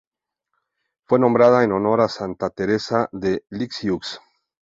Fue nombrada en honor de Santa Teresa de Lisieux.